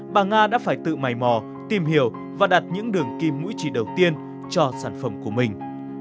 bà nga đã phải tự mày mò tìm hiểu và đặt những đường kim mũi chỉ đầu tiên cho sản phẩm của mình